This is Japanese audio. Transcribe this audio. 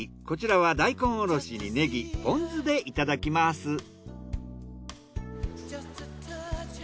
こちらは大根おろしにネギポン酢でいただきます。